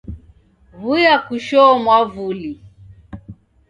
W'uya kushoo mwavuli